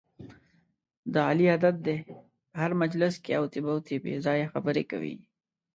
د علي عادت دی، په هر مجلس کې اوتې بوتې بې ځایه خبرې کوي.